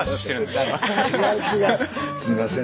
すいません